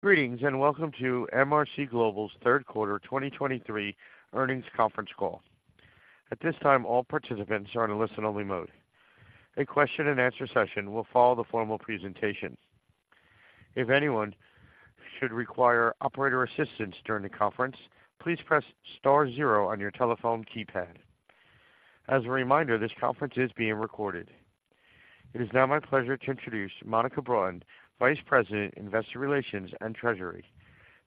Greetings, and welcome to MRC Global's third quarter 2023 earnings conference call. At this time, all participants are in a listen-only mode. A question-and-answer session will follow the formal presentation. If anyone should require operator assistance during the conference, please press star zero on your telephone keypad. As a reminder, this conference is being recorded. It is now my pleasure to introduce Monica Broughton, Vice President, Investor Relations and Treasury.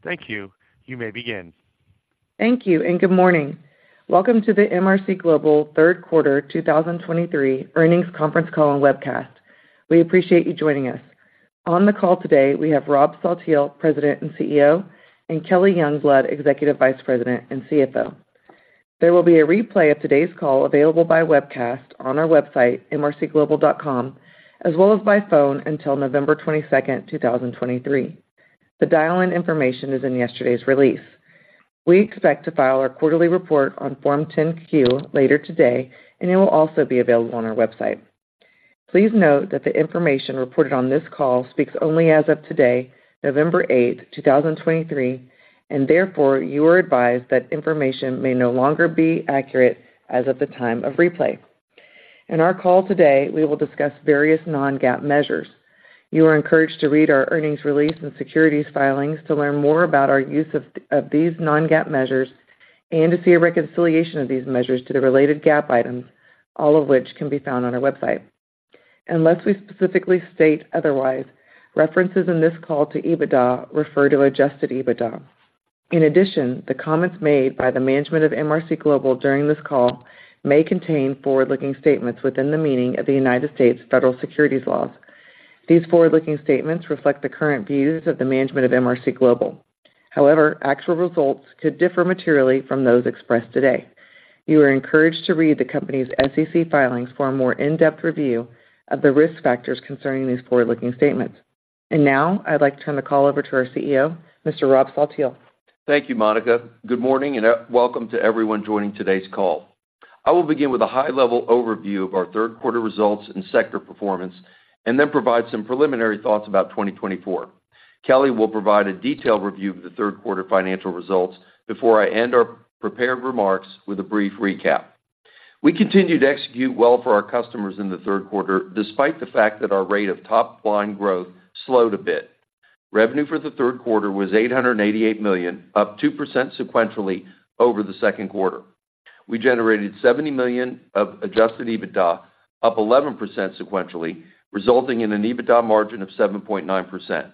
Thank you. You may begin. Thank you, and good morning. Welcome to the MRC Global third quarter 2023 earnings conference call and webcast. We appreciate you joining us. On the call today, we have Rob Saltiel, President and CEO, and Kelly Youngblood, Executive Vice President and CFO. There will be a replay of today's call available by webcast on our website, mrcglobal.com, as well as by phone until November 22nd, 2023. The dial-in information is in yesterday's release. We expect to file our quarterly report on Form 10-Q later today, and it will also be available on our website. Please note that the information reported on this call speaks only as of today, November 8th, 2023, and therefore, you are advised that information may no longer be accurate as of the time of replay. In our call today, we will discuss various non-GAAP measures. You are encouraged to read our earnings release and securities filings to learn more about our use of these non-GAAP measures and to see a reconciliation of these measures to the related GAAP items, all of which can be found on our website. Unless we specifically state otherwise, references in this call to EBITDA refer to Adjusted EBITDA. In addition, the comments made by the management of MRC Global during this call may contain forward-looking statements within the meaning of the United States federal securities laws. These forward-looking statements reflect the current views of the management of MRC Global. However, actual results could differ materially from those expressed today. You are encouraged to read the company's SEC filings for a more in-depth review of the risk factors concerning these forward-looking statements. Now, I'd like to turn the call over to our CEO, Mr. Rob Saltiel. Thank you, Monica. Good morning, and welcome to everyone joining today's call. I will begin with a high-level overview of our third quarter results and sector performance, and then provide some preliminary thoughts about 2024. Kelly will provide a detailed review of the third quarter financial results before I end our prepared remarks with a brief recap. We continued to execute well for our customers in the third quarter, despite the fact that our rate of top-line growth slowed a bit. Revenue for the third quarter was $888 million, up 2% sequentially over the second quarter. We generated $70 million of Adjusted EBITDA, up 11% sequentially, resulting in an EBITDA margin of 7.9%.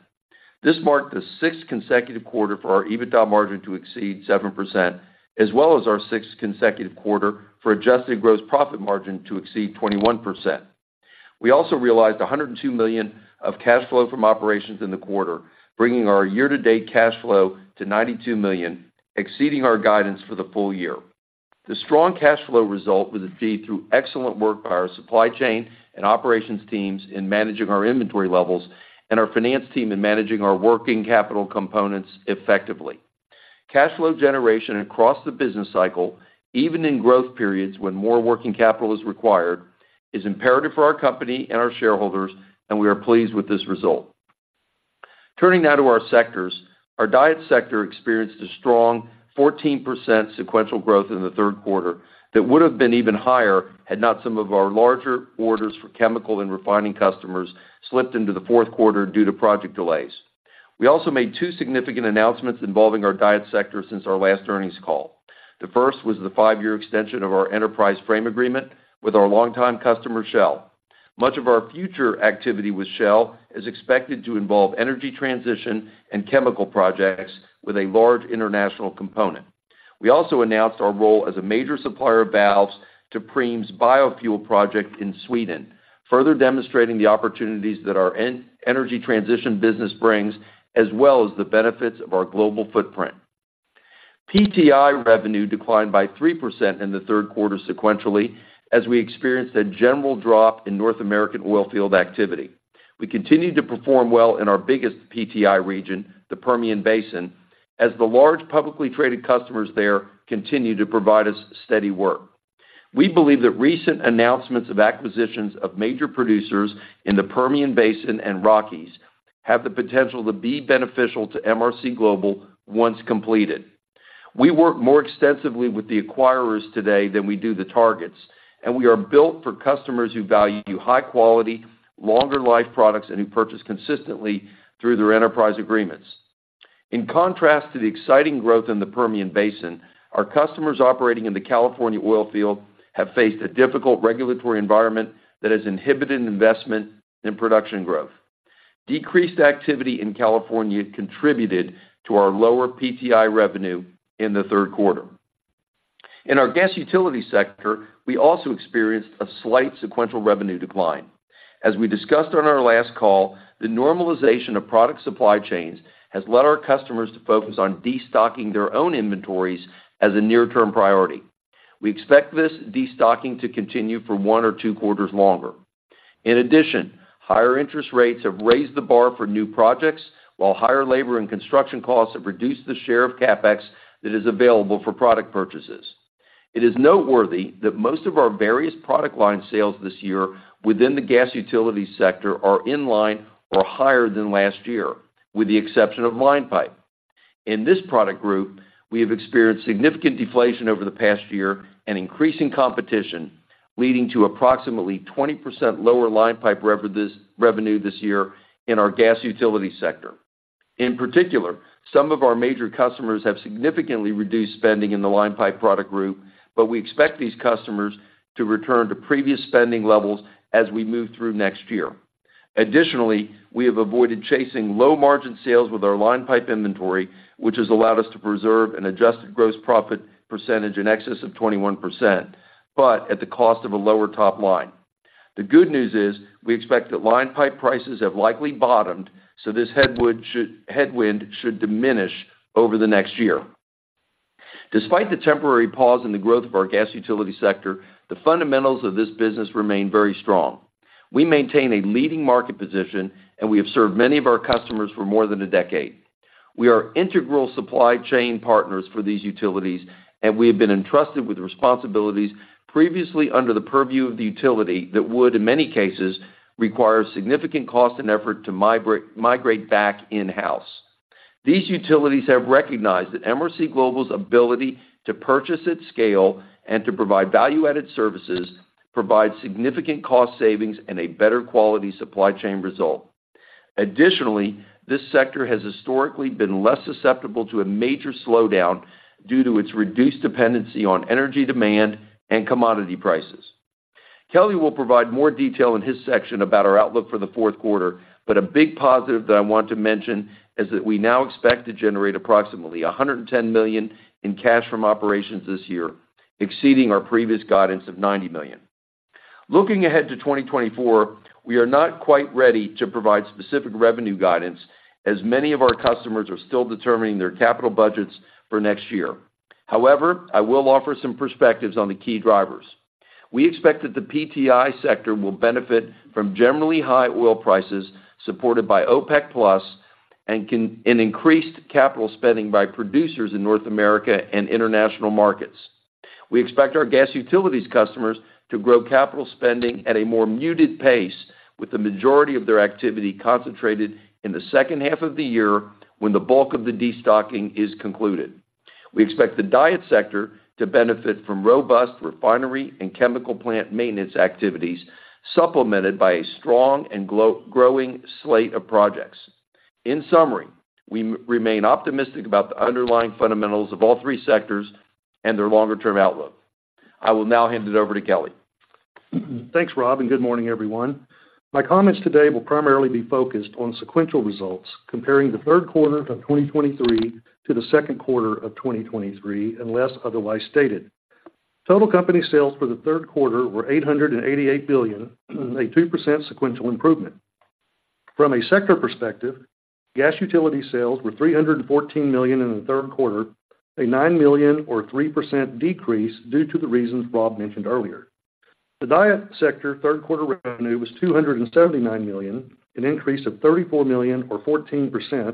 This marked the sixth consecutive quarter for our EBITDA margin to exceed 7%, as well as our sixth consecutive quarter for adjusted gross profit margin to exceed 21%. We also realized $102 million of cash flow from operations in the quarter, bringing our year-to-date cash flow to $92 million, exceeding our guidance for the full year. The strong cash flow result was achieved through excellent work by our supply chain and operations teams in managing our inventory levels and our finance team in managing our working capital components effectively. Cash flow generation across the business cycle, even in growth periods when more working capital is required, is imperative for our company and our shareholders, and we are pleased with this result. Turning now to our sectors. Our DIET sector experienced a strong 14% sequential growth in the third quarter that would have been even higher had not some of our larger orders for chemical and refining customers slipped into the fourth quarter due to project delays. We also made two significant announcements involving our DIET sector since our last earnings call. The first was the five-year extension of our enterprise frame agreement with our longtime customer, Shell. Much of our future activity with Shell is expected to involve energy transition and chemical projects with a large international component. We also announced our role as a major supplier of valves to Preem's biofuel project in Sweden, further demonstrating the opportunities that our energy transition business brings, as well as the benefits of our global footprint. PTI revenue declined by 3% in the third quarter sequentially, as we experienced a general drop in North American oil field activity. We continued to perform well in our biggest PTI region, the Permian Basin, as the large publicly traded customers there continue to provide us steady work. We believe that recent announcements of acquisitions of major producers in the Permian Basin and Rockies have the potential to be beneficial to MRC Global once completed. We work more extensively with the acquirers today than we do the targets, and we are built for customers who value high quality, longer life products and who purchase consistently through their enterprise agreements. In contrast to the exciting growth in the Permian Basin, our customers operating in the California oil field have faced a difficult regulatory environment that has inhibited investment and production growth. Decreased activity in California contributed to our lower PTI revenue in the third quarter. In our Gas Utility sector, we also experienced a slight sequential revenue decline. As we discussed on our last call, the normalization of product supply chains has led our customers to focus on destocking their own inventories as a near-term priority. We expect this destocking to continue for one or two quarters longer. In addition, higher interest rates have raised the bar for new projects, while higher labor and construction costs have reduced the share of CapEx that is available for product purchases. It is noteworthy that most of our various product line sales this year within the Gas Utility sector are in line or higher than last year, with the exception of line pipe. In this product group, we have experienced significant deflation over the past year and increasing competition, leading to approximately 20% lower line pipe revenue this year in our Gas Utilities sector. In particular, some of our major customers have significantly reduced spending in the line pipe product group, but we expect these customers to return to previous spending levels as we move through next year. Additionally, we have avoided chasing low-margin sales with our line pipe inventory, which has allowed us to preserve an Adjusted Gross Profit percentage in excess of 21%, but at the cost of a lower top line. The good news is, we expect that line pipe prices have likely bottomed, so this headwind should diminish over the next year. Despite the temporary pause in the growth of our Gas Utilities sector, the fundamentals of this business remain very strong. We maintain a leading market position, and we have served many of our customers for more than a decade. We are integral supply chain partners for these utilities, and we have been entrusted with responsibilities previously under the purview of the utility that would, in many cases, require significant cost and effort to migrate back in-house. These utilities have recognized that MRC Global's ability to purchase at scale and to provide value-added services, provide significant cost savings and a better quality supply chain result. Additionally, this sector has historically been less susceptible to a major slowdown due to its reduced dependency on energy demand and commodity prices. Kelly will provide more detail in his section about our outlook for the fourth quarter, but a big positive that I want to mention is that we now expect to generate approximately $110 million in cash from operations this year, exceeding our previous guidance of $90 million. Looking ahead to 2024, we are not quite ready to provide specific revenue guidance, as many of our customers are still determining their capital budgets for next year. However, I will offer some perspectives on the key drivers. We expect that the PTI sector will benefit from generally high oil prices, supported by OPEC+, and increased capital spending by producers in North America and international markets. We expect our Gas Utilities customers to grow capital spending at a more muted pace, with the majority of their activity concentrated in the second half of the year when the bulk of the destocking is concluded. We expect the DIET sector to benefit from robust refinery and chemical plant maintenance activities, supplemented by a strong and growing slate of projects. In summary, we remain optimistic about the underlying fundamentals of all three sectors and their longer-term outlook. I will now hand it over to Kelly. Thanks, Rob, and good morning, everyone. My comments today will primarily be focused on sequential results comparing the third quarter of 2023 to the second quarter of 2023, unless otherwise stated. Total company sales for the third quarter were $888 million, a 2% sequential improvement. From a sector perspective, Gas Utilities sales were $314 million in the third quarter, a $9 million or 3% decrease due to the reasons Rob mentioned earlier. The DIET sector third quarter revenue was $279 million, an increase of $34 million or 14%,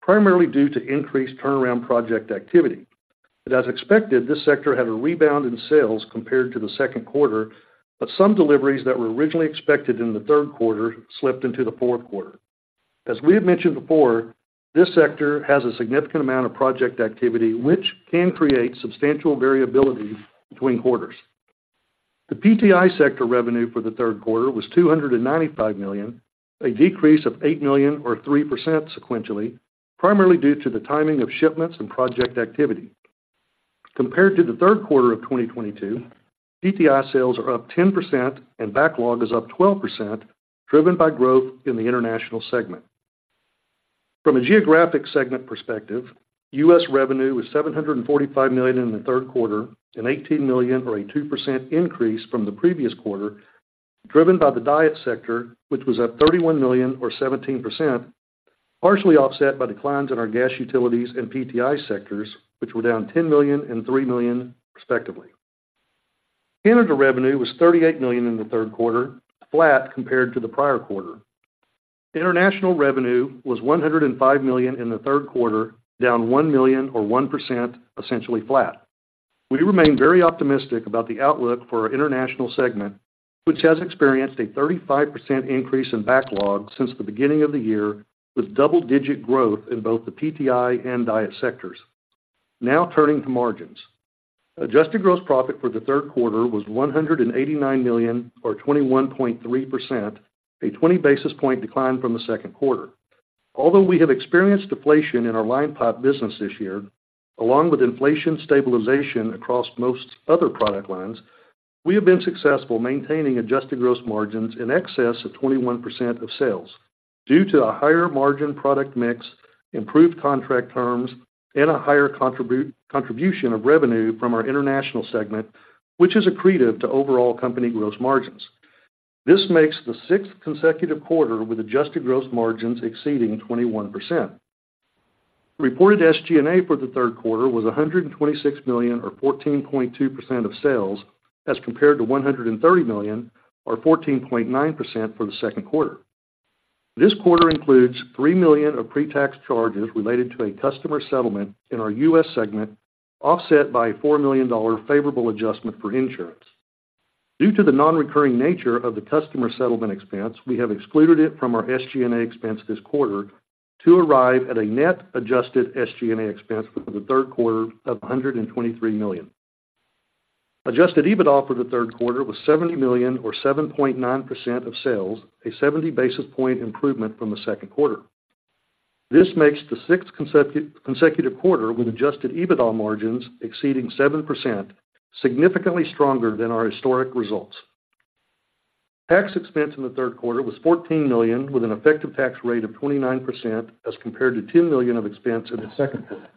primarily due to increased turnaround project activity. And as expected, this sector had a rebound in sales compared to the second quarter, but some deliveries that were originally expected in the third quarter slipped into the fourth quarter. As we have mentioned before, this sector has a significant amount of project activity, which can create substantial variability between quarters. The PTI sector revenue for the third quarter was $295 million, a decrease of $8 million or 3% sequentially, primarily due to the timing of shipments and project activity. Compared to the third quarter of 2022, PTI sales are up 10% and backlog is up 12%, driven by growth in the International segment. From a Geographic segment perspective, U.S. revenue was $745 million in the third quarter, an $18 million or a 2% increase from the previous quarter, driven by the DIET sector, which was up $31 million or 17%, partially offset by declines in our Gas Utilities and PTI sectors, which were down $10 million and $3 million, respectively. Canada revenue was $38 million in the third quarter, flat compared to the prior quarter. International revenue was $105 million in the third quarter, down $1 million or 1%, essentially flat. We remain very optimistic about the outlook for our International segment, which has experienced a 35% increase in backlog since the beginning of the year, with double-digit growth in both the PTI and DIET sectors. Now, turning to margins. Adjusted gross profit for the third quarter was $189 million or 21.3%, a 20 basis point decline from the second quarter. Although we have experienced deflation in our line pipe business this year, along with inflation stabilization across most other product lines, we have been successful maintaining adjusted gross margins in excess of 21% of sales due to a higher margin product mix, improved contract terms, and a higher contribution of revenue from our international segment, which is accretive to overall company growth margins. This makes the sixth consecutive quarter with adjusted gross margins exceeding 21%. Reported SG&A for the third quarter was $126 million or 14.2% of sales, as compared to $130 million or 14.9% for the second quarter. This quarter includes $3 million of pretax charges related to a customer settlement in our U.S. segment, offset by a $4 million favorable adjustment for insurance. Due to the nonrecurring nature of the customer settlement expense, we have excluded it from our SG&A expense this quarter to arrive at a net adjusted SG&A expense for the third quarter of $123 million. Adjusted EBITDA for the third quarter was $70 million or 7.9% of sales, a 70 basis point improvement from the second quarter. This makes the sixth consecutive quarter with Adjusted EBITDA margins exceeding 7%, significantly stronger than our historic results. Tax expense in the third quarter was $14 million, with an effective tax rate of 29%, as compared to $10 million of expense in the second quarter.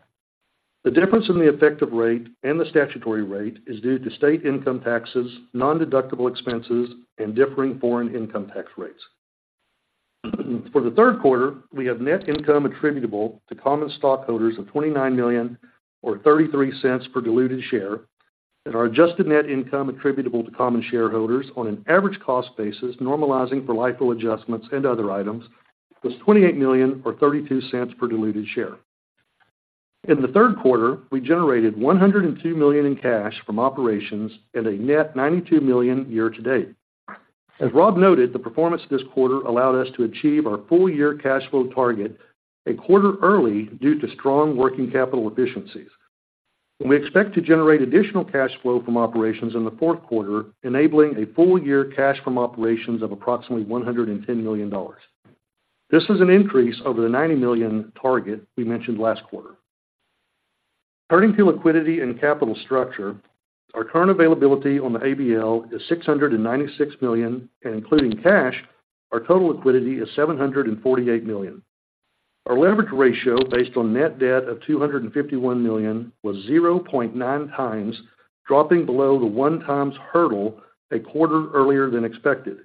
The difference in the effective rate and the statutory rate is due to state income taxes, nondeductible expenses, and differing foreign income tax rates. For the third quarter, we have net income attributable to common stockholders of $29 million or $0.33 per diluted share, and our adjusted net income attributable to common shareholders on an average cost basis, normalizing for LIFO adjustments and other items, was $28 million or $0.32 per diluted share. In the third quarter, we generated $102 million in cash from operations and a net $92 million year-to-date. As Rob noted, the performance this quarter allowed us to achieve our full-year cash flow target a quarter early due to strong working capital efficiencies. And we expect to generate additional cash flow from operations in the fourth quarter, enabling a full-year cash from operations of approximately $110 million. This is an increase over the $90 million target we mentioned last quarter. Turning to liquidity and capital structure, our current availability on the ABL is $696 million, and including cash, our total liquidity is $748 million. Our leverage ratio, based on net debt of $251 million, was 0.9x, dropping below the 1x hurdle a quarter earlier than expected.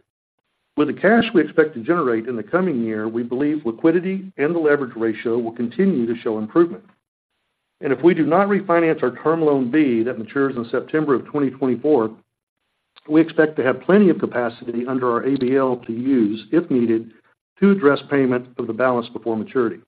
With the cash we expect to generate in the coming year, we believe liquidity and the leverage ratio will continue to show improvement. And if we do not refinance our Term Loan B, that matures in September 2024, we expect to have plenty of capacity under our ABL to use, if needed, to address payment of the balance before maturity.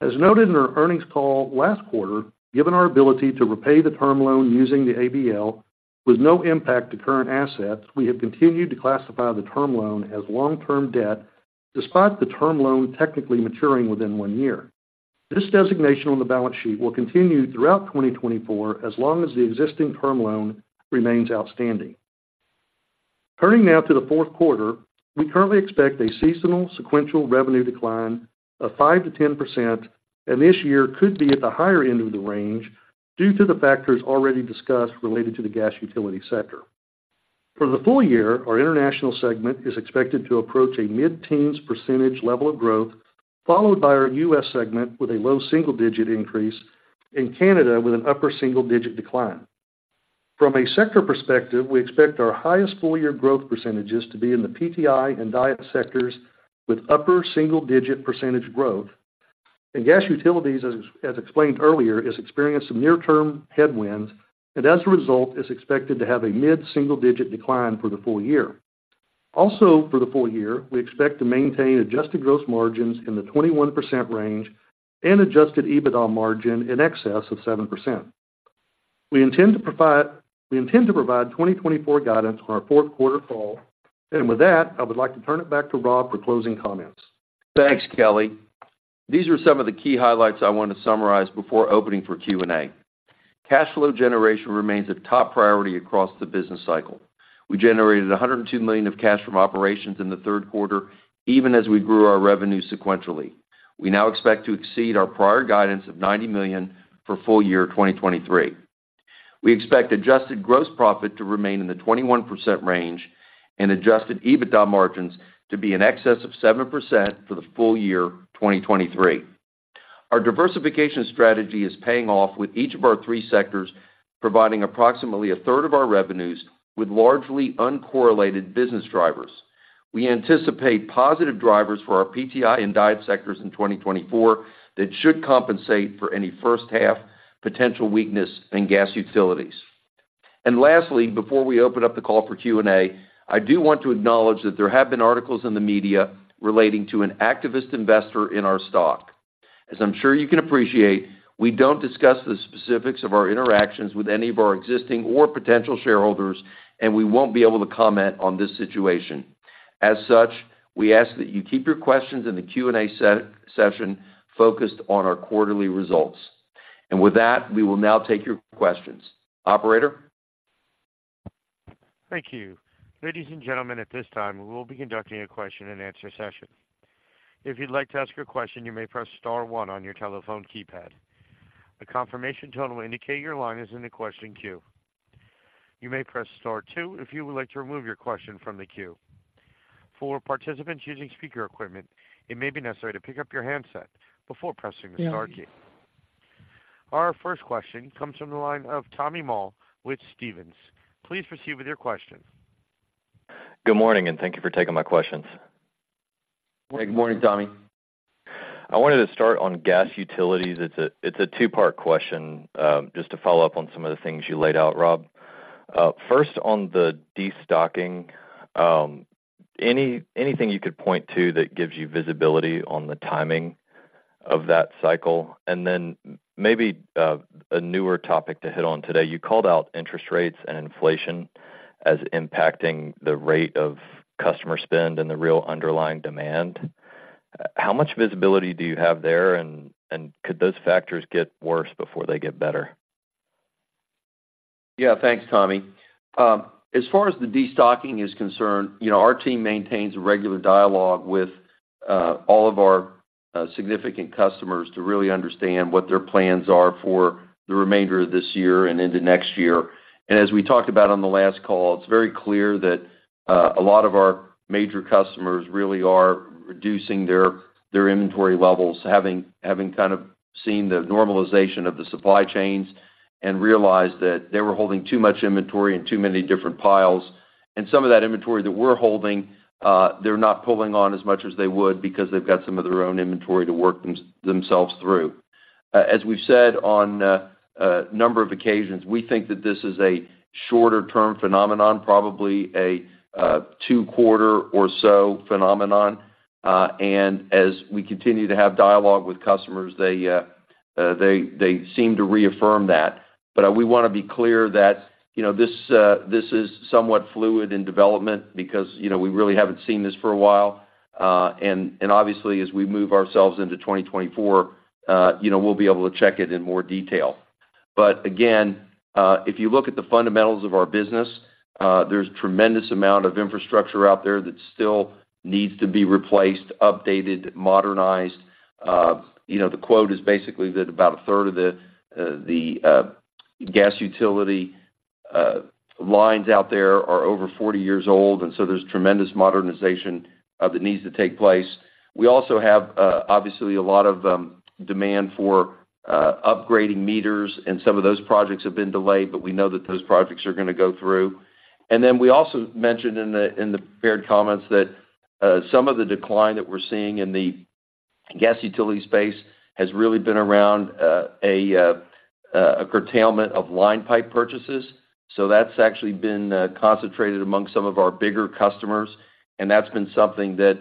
As noted in our earnings call last quarter, given our ability to repay the term loan using the ABL with no impact to current assets, we have continued to classify the term loan as long-term debt, despite the term loan technically maturing within one year. This designation on the balance sheet will continue throughout 2024, as long as the existing term loan remains outstanding. Turning now to the fourth quarter, we currently expect a seasonal sequential revenue decline of 5%-10%, and this year could be at the higher end of the range due to the factors already discussed related to the Gas Utility sector. For the full year, our international segment is expected to approach a mid-teens percentage level of growth, followed by our US segment with a low single-digit increase, and Canada with an upper single-digit decline. From a sector perspective, we expect our highest full-year growth percentages to be in the PTI and DIET sectors, with upper single-digit percentage growth. Gas utilities, as explained earlier, is experiencing some near-term headwinds, and as a result, is expected to have a mid-single-digit decline for the full year. Also, for the full year, we expect to maintain adjusted gross margins in the 21% range and Adjusted EBITDA margin in excess of 7%. We intend to provide 2024 guidance on our fourth quarter call. And with that, I would like to turn it back to Rob for closing comments. Thanks, Kelly. These are some of the key highlights I want to summarize before opening for Q&A. Cash flow generation remains a top priority across the business cycle. We generated $102 million of cash from operations in the third quarter, even as we grew our revenue sequentially. We now expect to exceed our prior guidance of $90 million for full year 2023. We expect adjusted gross profit to remain in the 21% range and Adjusted EBITDA margins to be in excess of 7% for the full year 2023. Our diversification strategy is paying off with each of our three sectors, providing approximately a third of our revenues with largely uncorrelated business drivers. We anticipate positive drivers for our PTI and DIET sectors in 2024 that should compensate for any first-half potential weakness in Gas Utilities. Lastly, before we open up the call for Q&A, I do want to acknowledge that there have been articles in the media relating to an activist investor in our stock. As I'm sure you can appreciate, we don't discuss the specifics of our interactions with any of our existing or potential shareholders, and we won't be able to comment on this situation. As such, we ask that you keep your questions in the Q&A session focused on our quarterly results. With that, we will now take your questions. Operator? Thank you. Ladies and gentlemen, at this time, we will be conducting a question-and-answer session. If you'd like to ask a question, you may press star one on your telephone keypad. A confirmation tone will indicate your line is in the question queue. You may press star two if you would like to remove your question from the queue. For participants using speaker equipment, it may be necessary to pick up your handset before pressing the star key. Our first question comes from the line of Tommy Moll with Stephens. Please proceed with your question. Good morning, and thank you for taking my questions. Good morning, Tommy. I wanted to start on Gas Utilities. It's a two-part question, just to follow up on some of the things you laid out, Rob. First, on the destocking, anything you could point to that gives you visibility on the timing of that cycle? And then maybe, a newer topic to hit on today. You called out interest rates and inflation as impacting the rate of customer spend and the real underlying demand. How much visibility do you have there, and could those factors get worse before they get better? Yeah, thanks, Tommy. As far as the destocking is concerned, you know, our team maintains a regular dialogue with all of our significant customers to really understand what their plans are for the remainder of this year and into next year. As we talked about on the last call, it's very clear that a lot of our major customers really are reducing their inventory levels, having kind of seen the normalization of the supply chains, and realized that they were holding too much inventory in too many different piles. Some of that inventory that we're holding, they're not pulling on as much as they would because they've got some of their own inventory to work themselves through. As we've said on a number of occasions, we think that this is a shorter-term phenomenon, probably a two-quarter or so phenomenon. And as we continue to have dialogue with customers, they seem to reaffirm that. But we wanna be clear that, you know, this is somewhat fluid in development because, you know, we really haven't seen this for a while. And obviously, as we move ourselves into 2024, you know, we'll be able to check it in more detail. But again, if you look at the fundamentals of our business, there's tremendous amount of infrastructure out there that still needs to be replaced, updated, modernized. You know, the quote is basically that about a third of the gas utility lines out there are over 40 years old, and so there's tremendous modernization that needs to take place. We also have obviously a lot of demand for upgrading meters, and some of those projects have been delayed, but we know that those projects are gonna go through. And then we also mentioned in the prepared comments that some of the decline that we're seeing in the Gas Utility space has really been around a curtailment of line pipe purchases. So that's actually been concentrated among some of our bigger customers, and that's been something that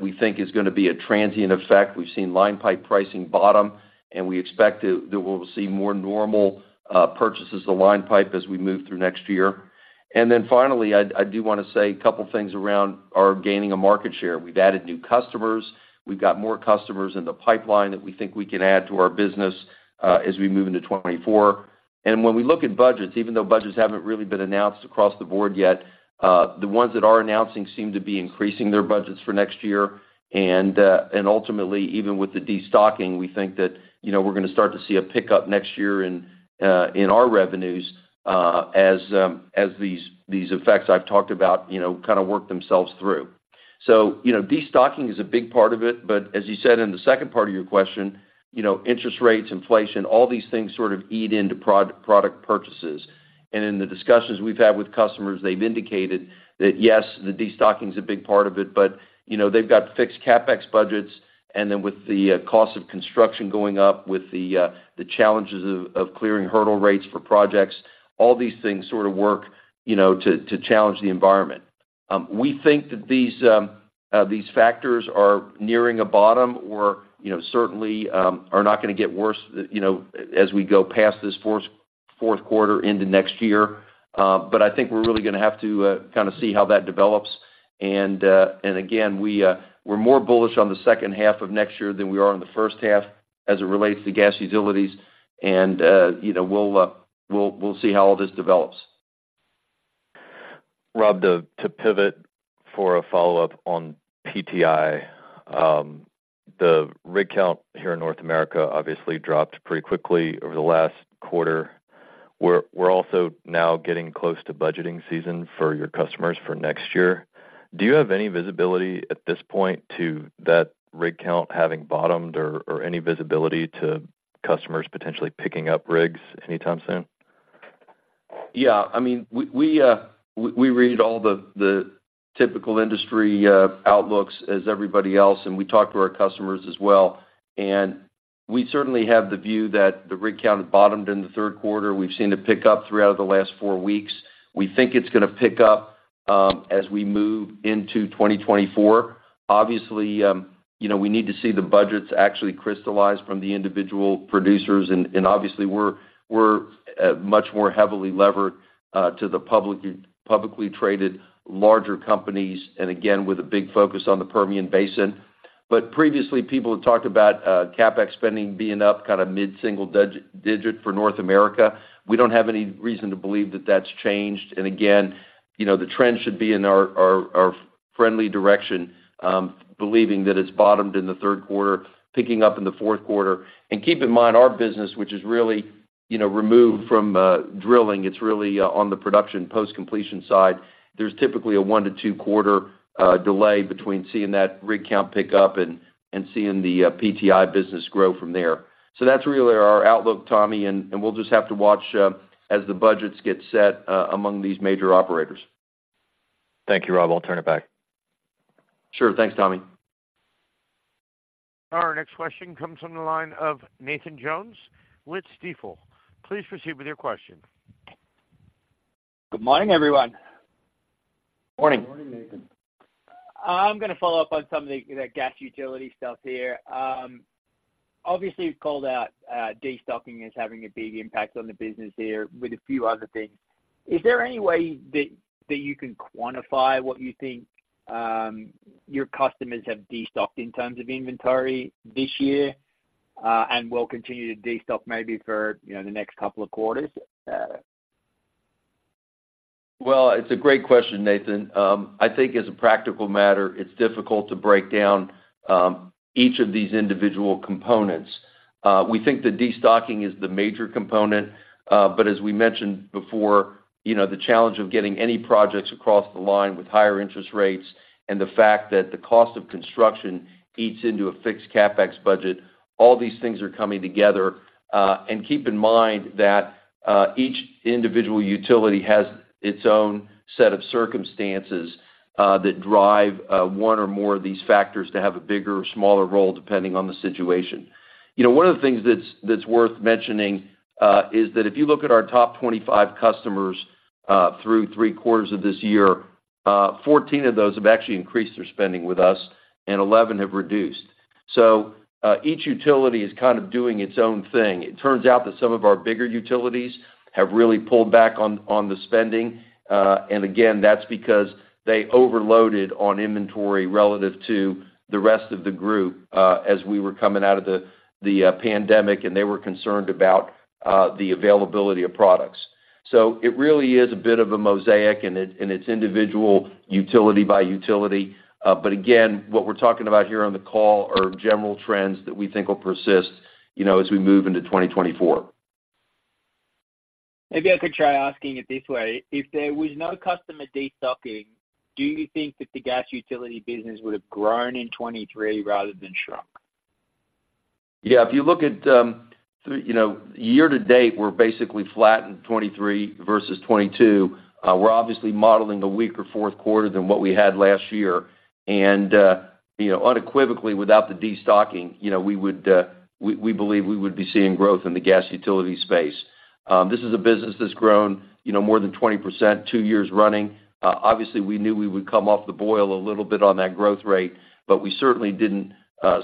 we think is gonna be a transient effect. We've seen line pipe pricing bottom, and we expect that we'll see more normal purchases of line pipe as we move through next year. And then finally, I do wanna say a couple things around our gaining of market share. We've added new customers. We've got more customers in the pipeline that we think we can add to our business as we move into 2024. And when we look at budgets, even though budgets haven't really been announced across the board yet, the ones that are announcing seem to be increasing their budgets for next year. And ultimately, even with the destocking, we think that, you know, we're gonna start to see a pickup next year in our revenues as these effects I've talked about, you know, kind of work themselves through. So, you know, destocking is a big part of it, but as you said in the second part of your question, you know, interest rates, inflation, all these things sort of eat into product purchases. And in the discussions we've had with customers, they've indicated that, yes, the destocking is a big part of it, but, you know, they've got fixed CapEx budgets, and then with the cost of construction going up, with the challenges of clearing hurdle rates for projects, all these things sort of work, you know, to challenge the environment. We think that these factors are nearing a bottom or, you know, certainly are not gonna get worse, you know, as we go past this fourth quarter into next year. But I think we're really gonna have to kind of see how that develops. And again, we're more bullish on the second half of next year than we are on the first half as it relates to Gas Utilities. You know, we'll see how all this develops. Rob, to pivot for a follow-up on PTI. The rig count here in North America obviously dropped pretty quickly over the last quarter. We're also now getting close to budgeting season for your customers for next year. Do you have any visibility at this point to that rig count having bottomed or any visibility to customers potentially picking up rigs anytime soon? Yeah, I mean, we read all the typical industry outlooks as everybody else, and we talk to our customers as well. We certainly have the view that the rig count bottomed in the third quarter. We've seen it pick up throughout the last four weeks. We think it's gonna pick up as we move into 2024. Obviously, you know, we need to see the budgets actually crystallize from the individual producers, and obviously, we're much more heavily levered to the publicly traded, larger companies, and again, with a big focus on the Permian Basin. But previously, people had talked about CapEx spending being up kind of mid-single digit for North America. We don't have any reason to believe that that's changed. And again, you know, the trend should be in our friendly direction, believing that it's bottomed in the third quarter, picking up in the fourth quarter. And keep in mind, our business, which is really, you know, removed from drilling, it's really on the production post-completion side, there's typically a one to two quarter delay between seeing that rig count pick up and seeing the PTI business grow from there. So that's really our outlook, Tommy, and we'll just have to watch as the budgets get set among these major operators. Thank you, Rob. I'll turn it back. Sure. Thanks, Tommy. Our next question comes from the line of Nathan Jones with Stifel. Please proceed with your question. Good morning, everyone. Morning. Morning, Nathan. I'm gonna follow up on some of the Gas Utility stuff here. Obviously, you've called out destocking as having a big impact on the business here with a few other things. Is there any way that you can quantify what you think your customers have destocked in terms of inventory this year, and will continue to destock maybe for, you know, the next couple of quarters? Well, it's a great question, Nathan. I think as a practical matter, it's difficult to break down, each of these individual components. We think the destocking is the major component, but as we mentioned before, you know, the challenge of getting any projects across the line with higher interest rates and the fact that the cost of construction eats into a fixed CapEx budget, all these things are coming together. And keep in mind that, each individual utility has its own set of circumstances, that drive, one or more of these factors to have a bigger or smaller role, depending on the situation. You know, one of the things that's worth mentioning is that if you look at our top 25 customers through three quarters of this year, 14 of those have actually increased their spending with us, and 11 have reduced. So each utility is kind of doing its own thing. It turns out that some of our bigger utilities have really pulled back on the spending. And again, that's because they overloaded on inventory relative to the rest of the group as we were coming out of the pandemic, and they were concerned about the availability of products. So it really is a bit of a mosaic, and it's individual, utility-by-utility. But again, what we're talking about here on the call are general trends that we think will persist, you know, as we move into 2024. Maybe I could try asking it this way. If there was no customer destocking, do you think that the gas utility business would have grown in 2023 rather than shrunk? Yeah. If you look at through, you know, year-to-date, we're basically flat in 2023 versus 2022. We're obviously modeling a weaker fourth quarter than what we had last year. And, you know, unequivocally, without the destocking, you know, we would, we believe we would be seeing growth in the Gas Utility space. This is a business that's grown, you know, more than 20%, two years running. Obviously, we knew we would come off the boil a little bit on that growth rate, but we certainly didn't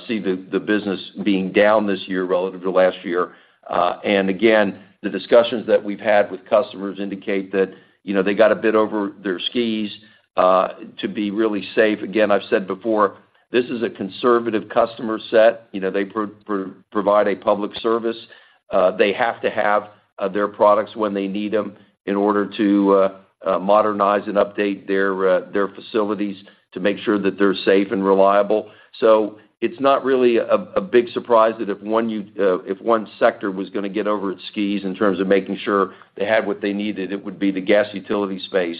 see the business being down this year relative to last year. And again, the discussions that we've had with customers indicate that, you know, they got a bit over their skis to be really safe. Again, I've said before, this is a conservative customer set. You know, they provide a public service. They have to have their products when they need them in order to modernize and update their facilities to make sure that they're safe and reliable. So it's not really a big surprise that if one sector was gonna get over its skis in terms of making sure they had what they needed, it would be the Gas Utility space.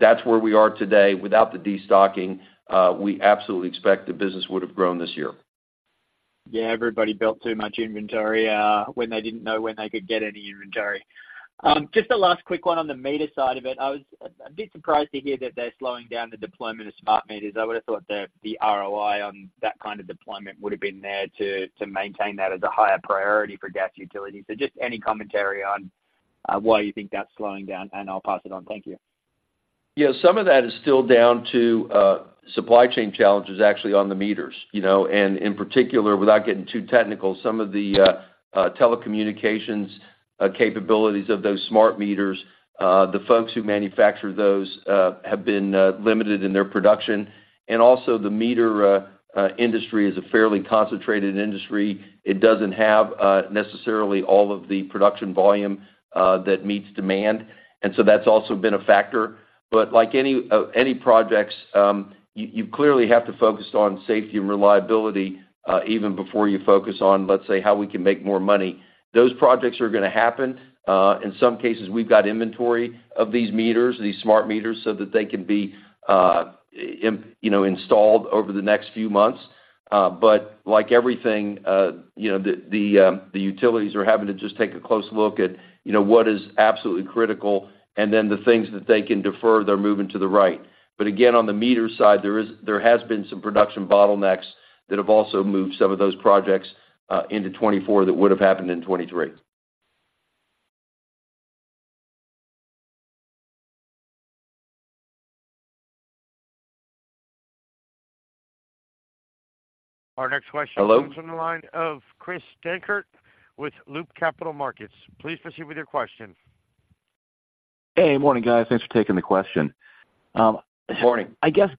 That's where we are today. Without the destocking, we absolutely expect the business would have grown this year. Yeah, everybody built too much inventory when they didn't know when they could get any inventory. Just a last quick one on the meter side of it. I was a bit surprised to hear that they're slowing down the deployment of smart meters. I would have thought the ROI on that kind of deployment would have been there to maintain that as a higher priority for gas utility. So just any commentary on why you think that's slowing down, and I'll pass it on. Thank you. Yeah, some of that is still down to supply chain challenges, actually, on the meters, you know. In particular, without getting too technical, some of the telecommunications capabilities of those smart meters, the folks who manufacture those have been limited in their production. Also, the meter industry is a fairly concentrated industry. It doesn't have necessarily all of the production volume that meets demand, and so that's also been a factor. But like any projects, you clearly have to focus on safety and reliability even before you focus on, let's say, how we can make more money. Those projects are gonna happen. In some cases, we've got inventory of these meters, these smart meters, so that they can be, you know, installed over the next few months. But like everything, you know, the utilities are having to just take a close look at, you know, what is absolutely critical and then the things that they can defer, they're moving to the right. But again, on the meter side, there has been some production bottlenecks that have also moved some of those projects into 2024 that would have happened in 2023. Our next question- Hello? Comes from the line of Chris Dankert with Loop Capital Markets. Please proceed with your question. Hey, morning, guys. Thanks for taking the question. Morning. I guess,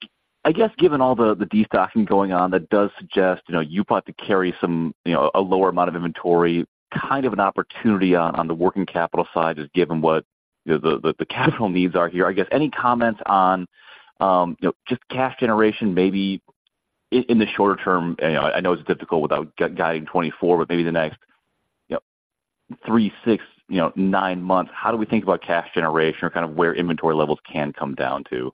I guess given all the destocking going on, that does suggest, you know, you've got to carry some, you know, a lower amount of inventory, kind of an opportunity on the working capital side, just given what the capital needs are here. I guess, any comments on, you know, just cash generation maybe in the shorter term? You know, I know it's difficult without guiding 2024, but maybe the next, you know, three, six, nine months, how do we think about cash generation or kind of where inventory levels can come down to?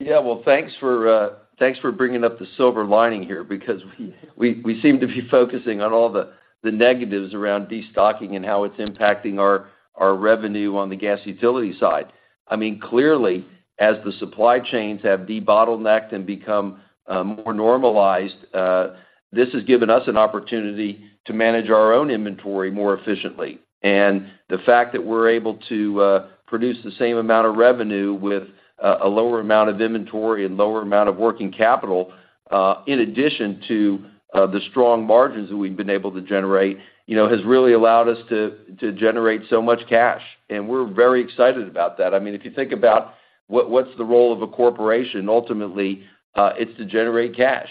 Yeah, well, thanks for bringing up the silver lining here, because we seem to be focusing on all the negatives around destocking and how it's impacting our revenue on the Gas Utility side. I mean, clearly, as the supply chains have debottlenecked and become more normalized, this has given us an opportunity to manage our own inventory more efficiently. And the fact that we're able to produce the same amount of revenue with a lower amount of inventory and lower amount of working capital, in addition to the strong margins that we've been able to generate, you know, has really allowed us to generate so much cash, and we're very excited about that. I mean, if you think about what, what's the role of a corporation? Ultimately, it's to generate cash,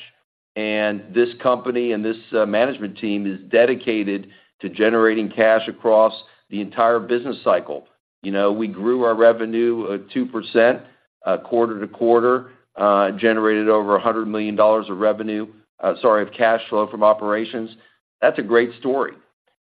and this company and this management team is dedicated to generating cash across the entire business cycle. You know, we grew our revenue 2%, quarter-to-quarter, generated over $100 million of cash flow from operations. That's a great story.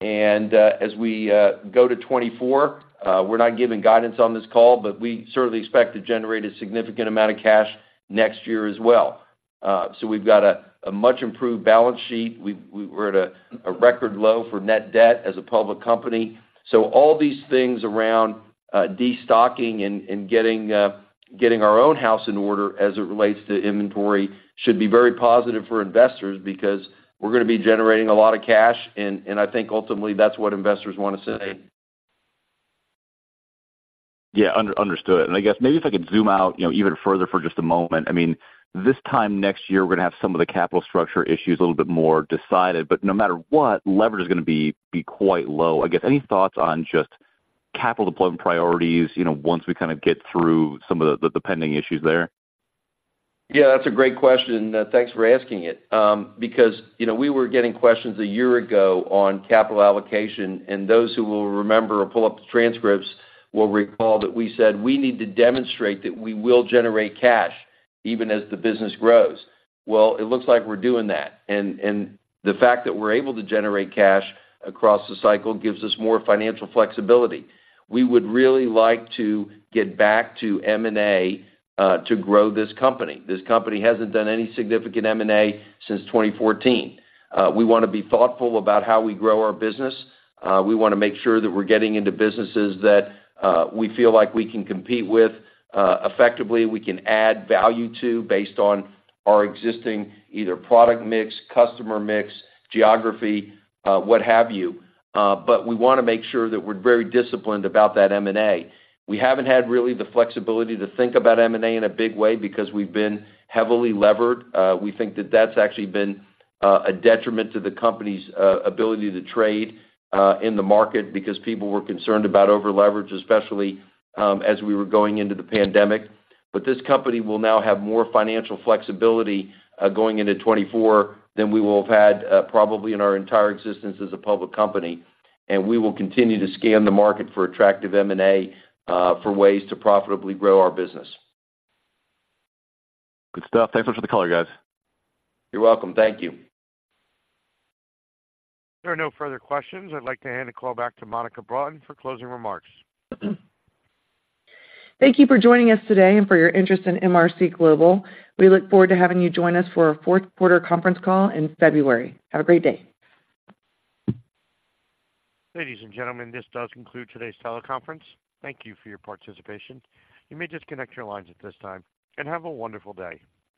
And, as we go to 2024, we're not giving guidance on this call, but we certainly expect to generate a significant amount of cash next year as well. So we've got a much improved balance sheet. We're at a record low for net debt as a public company. So all these things around destocking and getting our own house in order as it relates to inventory should be very positive for investors because we're gonna be generating a lot of cash, and I think ultimately, that's what investors wanna see. Yeah, understood. I guess maybe if I could zoom out, you know, even further for just a moment. I mean, this time next year, we're gonna have some of the capital structure issues a little bit more decided, but no matter what, leverage is gonna be quite low. I guess, any thoughts on just capital deployment priorities, you know, once we kind of get through some of the pending issues there? Yeah, that's a great question. Thanks for asking it. Because, you know, we were getting questions a year ago on capital allocation, and those who will remember or pull up the transcripts will recall that we said we need to demonstrate that we will generate cash even as the business grows. Well, it looks like we're doing that. And the fact that we're able to generate cash across the cycle gives us more financial flexibility. We would really like to get back to M&A, to grow this company. This company hasn't done any significant M&A since 2014. We wanna be thoughtful about how we grow our business. We wanna make sure that we're getting into businesses that we feel like we can compete with effectively, we can add value to based on our existing either product mix, customer mix, geography, what have you. But we wanna make sure that we're very disciplined about that M&A. We haven't had really the flexibility to think about M&A in a big way because we've been heavily levered. We think that that's actually been a detriment to the company's ability to trade in the market because people were concerned about overleverage, especially as we were going into the pandemic. But this company will now have more financial flexibility going into 2024 than we will have had probably in our entire existence as a public company. We will continue to scan the market for attractive M&A for ways to profitably grow our business. Good stuff. Thanks so much for the color, guys. You're welcome. Thank you. There are no further questions. I'd like to hand the call back to Monica Broughton for closing remarks. Thank you for joining us today and for your interest in MRC Global. We look forward to having you join us for our fourth quarter conference call in February. Have a great day. Ladies and gentlemen, this does conclude today's teleconference. Thank you for your participation. You may disconnect your lines at this time, and have a wonderful day.